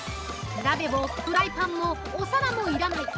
鍋もフライパンもお皿も要らない！